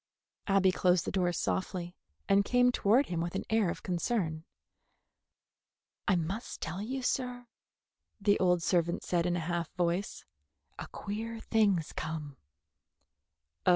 Abby closed the door softly, and came toward him with an air of concern. "I must tell you, sir," the old servant said in a half voice, "a queer thing's come."